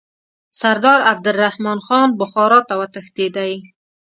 سردار عبدالرحمن خان بخارا ته وتښتېدی.